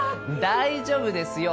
大丈夫ですよ。